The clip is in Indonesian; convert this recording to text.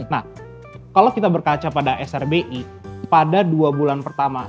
nah kalau kita berkaca pada srbi pada dua bulan pertama